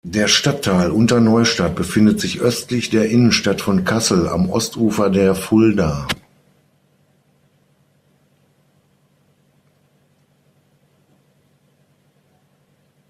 Der Stadtteil "Unterneustadt" befindet sich östlich der Innenstadt von Kassel am Ostufer der Fulda.